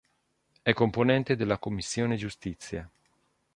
È componente della Commissione Giustizia.